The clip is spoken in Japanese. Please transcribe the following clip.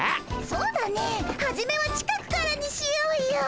そうだねえはじめは近くからにしようよ。